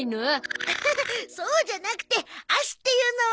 アハハそうじゃなくてアシっていうのは。